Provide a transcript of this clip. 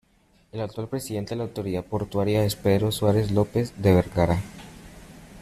El actual presidente de la Autoridad Portuaria es Pedro Suárez López de Vergara.